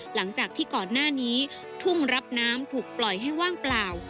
หลังจากที่ก่อนหน้านี้ทุ่งรับน้ำถูกปล่อยให้ว่างเปล่า